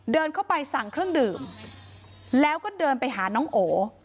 เดินเข้าไปสั่งเครื่องดื่มแล้วก็เดินไปหาน้องโอ